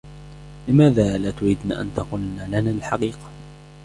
لماذا لا تردن أن تقلن لنا الحقيقة؟